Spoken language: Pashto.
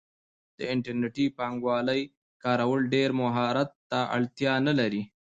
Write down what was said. د انټرنیټي بانکوالۍ کارول ډیر مهارت ته اړتیا نه لري.